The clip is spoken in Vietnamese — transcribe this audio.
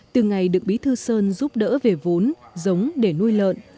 từ ngày được bí thư sơn giúp đỡ về vốn giống để nuôi lợn